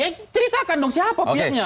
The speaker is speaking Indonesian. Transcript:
ya ceritakan dong siapa pihaknya